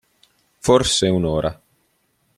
Forse un'ora.